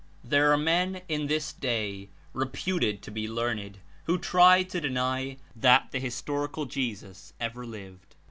There are men in this day, reputed to be learned. who try to deny that the historical Jesus ever lived.